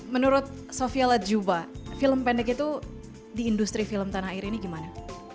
menurut sofia latjuba film pendek itu di industri film tanah air ini gimana